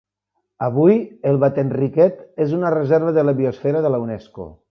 Avui el Vattenriket és una reserva de la biosfera de la Unesco.